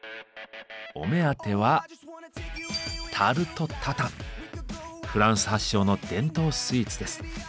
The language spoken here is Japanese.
お目当てはフランス発祥の伝統スイーツです。